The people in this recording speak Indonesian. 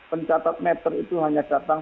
pencatatan netel itu hanya datang